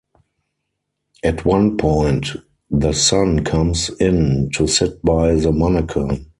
At one point, the son comes in to sit by the mannequin.